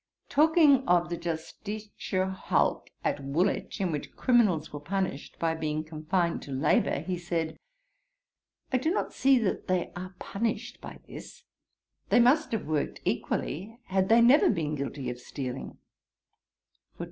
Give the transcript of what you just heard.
Talking of the Justitia hulk at Woolwich, in which criminals were punished, by being confined to labour, he said, 'I do not see that they are punished by this: they must have worked equally had they never been guilty of stealing.